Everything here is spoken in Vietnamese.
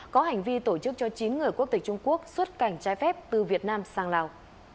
có hành vi tổ chức cho chín người quốc tịch trung quốc xuất cảnh trái phép từ việt nam sang lào